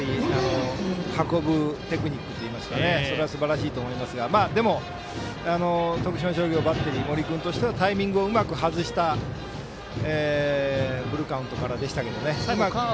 運ぶテクニックといいますかそれはすばらしいと思いますがただ徳島商業バッテリー森君としてはタイミングをうまく外したフルカウントでしたけどね。